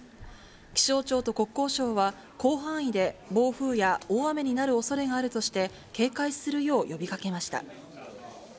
気象庁と国交省は、広範囲で暴風や大雨になるおそれがあるとして、警戒するよう呼びかけました。